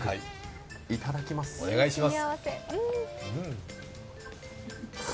いただきます。